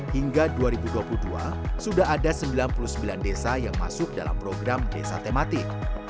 hingga dua ribu dua puluh dua sudah ada sembilan puluh sembilan desa yang masuk dalam program desa tematik